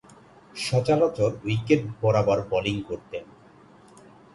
সচরাচর উইকেট বরাবর বোলিং করতেন।